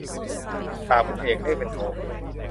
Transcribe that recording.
ปากเป็นเอกเลขเป็นโท